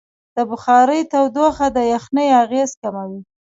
د بخارۍ تودوخه د یخنۍ اغېز کموي.